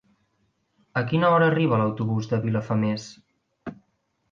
A quina hora arriba l'autobús de Vilafamés?